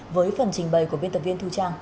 với phần trình bày của biên tập viên thu trang